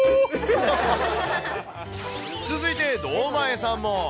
続いて堂前さんも。